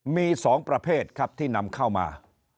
มี๒ประเภทครับที่นำเข้ามา